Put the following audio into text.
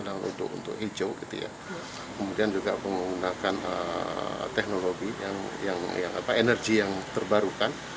nah untuk hijau kemudian juga menggunakan teknologi energi yang terbarukan